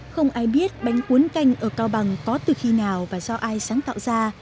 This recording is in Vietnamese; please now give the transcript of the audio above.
không ai biết bánh cuốn canh ở cao bằng có từ khi nào và do ai sáng tạo ra